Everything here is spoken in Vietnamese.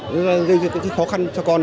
nó gây ra cái khó khăn cho con